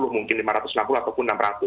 mungkin lima ratus enam puluh ataupun enam ratus